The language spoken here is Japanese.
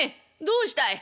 「どうしたい？」。